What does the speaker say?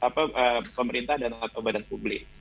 apa pemerintah dan badan publik